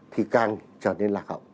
thì càng trở nên lạc hậu